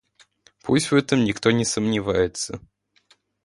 Пусть в этом никто не сомневается.